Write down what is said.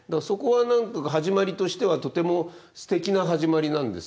そこが始まりとしてはとてもすてきな始まりなんですよね。